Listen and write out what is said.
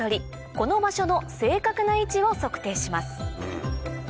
この場所の正確な位置を測定します